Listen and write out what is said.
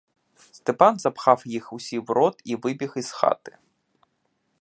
Степан запхав їх усі в рот і вибіг із хати.